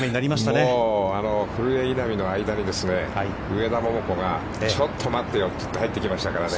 もう古江、稲見の間に上田桃子がちょっと待ってよって入ってきましたからね。